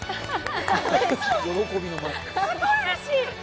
すごいうれしい。